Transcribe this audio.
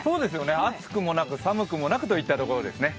暑くもなく寒くもなくといったところですね。